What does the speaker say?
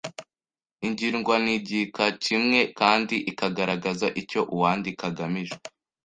igirwa n’igika kimwe kandi ikagaragaza icyo uwandika agamije.